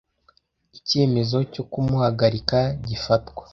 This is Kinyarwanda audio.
icyemezo cyo kumuhagarika gifatwa